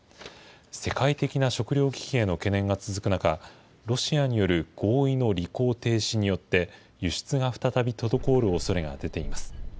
世界的な食料危機への懸念が続く中、ロシアによる合意の履行停止によって、輸出が再び滞るおそれが出ています。